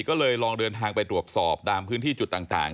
ก็เลยลองเดินทางไปตรวจสอบตามพื้นที่จุดต่าง